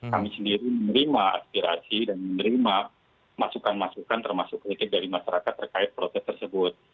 kami sendiri menerima aspirasi dan menerima masukan masukan termasuk kritik dari masyarakat terkait protes tersebut